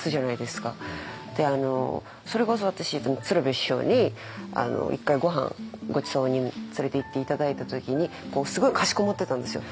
それこそ私鶴瓶師匠に一回ごはんごちそうに連れていって頂いた時にすごいかしこまってたんですよ。